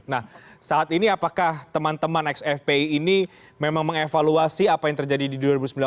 nah saat ini apakah teman teman xfpi ini memang mengevaluasi apa yang terjadi di dua ribu sembilan belas